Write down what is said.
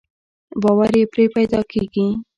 باور يې پرې پيدا کېږي.